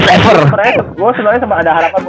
gue sebenarnya sama ada harapan